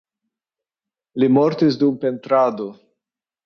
Li mortis dum pentrado.